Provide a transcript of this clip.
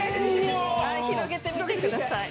広げてみてください。